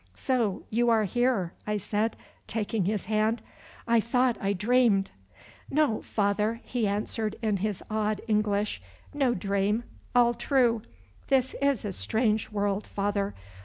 "So you are here," I said, taking his hand. "I thought I dreamed." "No, Father," he answered in his odd English, "no dream; all true. This is a strange world, Father.